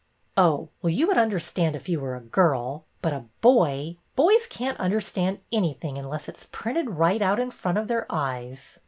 '' Oh, well, you would understand if you were a girl. But a boy —! Boys can't understand anything unless it is printed right out in front of their eyes.